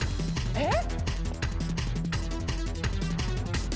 えっ？